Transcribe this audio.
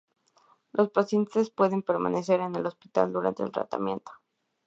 Los pacientes pueden permanecer en el hospital durante el tratamiento.